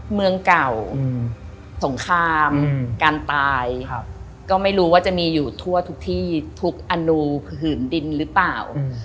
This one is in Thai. เมืองเก่าสงครามการตายก็ไม่รู้ว่าจะมีอยู่ทั่วทุกที่ทุกอนูผืนดินหรือเปล่า